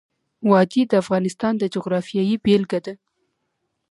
وادي د افغانستان د جغرافیې بېلګه ده.